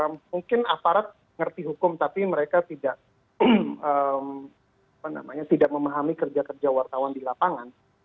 mungkin aparat mengerti hukum tapi mereka tidak memahami kerja kerja wartawan di lapangan